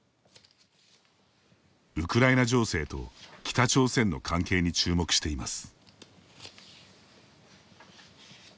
ウクライナ情勢と北朝鮮の関係に注目しています。